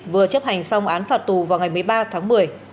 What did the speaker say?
vừa chấp hành xong án phạt tù vào ngày một mươi ba tháng một mươi